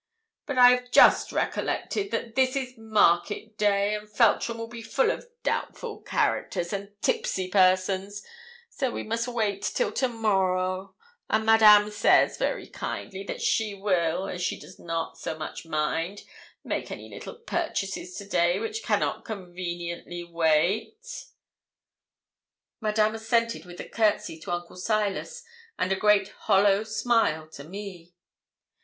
'But I have just recollected that this is a market day, and Feltram will be full of doubtful characters and tipsy persons, so we must wait till to morrow; and Madame says, very kindly, that she will, as she does not so much mind, make any little purchases to day which cannot conveniently wait.' Madame assented with a courtesy to Uncle Silas, and a great hollow smile to me.